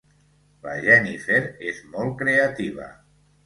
La Jennifer és molt creativa.